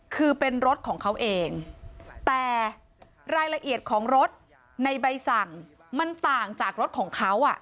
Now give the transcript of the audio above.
คือเป็นรถของเขาเองแต่รายละเอียดของรถในใบสั่งมันต่างจากรถของเขา